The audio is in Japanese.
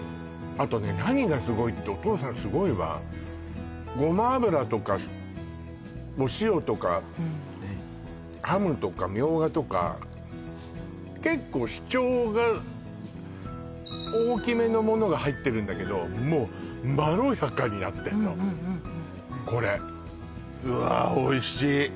あとね何がすごいってお父さんすごいわごま油とかお塩とかうんはいハムとかみょうがとか結構主張が大きめのものが入ってるんだけどもうまろやかになってんのこれうわっおいしい！